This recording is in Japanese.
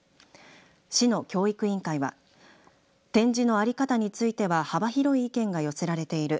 市の教育委員会は展示の在り方については幅広い意見が寄せられている。